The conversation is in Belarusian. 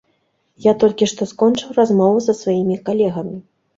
Я толькі што скончыў размову са сваімі калегамі.